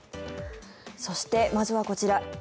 そして、まずはこちら。